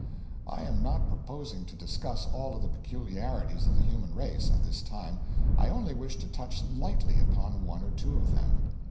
I am not proposing to discuss all of the peculiarities of the human race, at this time; I only wish to touch lightly upon one or two of them.